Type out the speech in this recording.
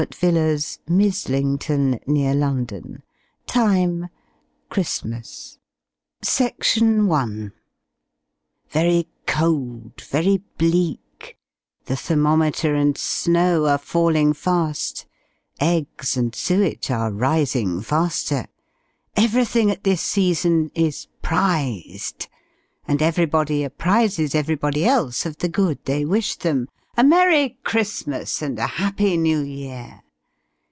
"TIDINGS OF COMFORT & JOY."] [Illustration: CHRISTMAS COMES BUT ONCE A YEAR] Very cold, very bleak; the thermometer and snow are falling fast; eggs and suet are rising faster; everything at this season is "prized," and everybody apprizes everybody else of the good they wish them, "A MERRY CHRISTMAS AND A HAPPY NEW YEAR!"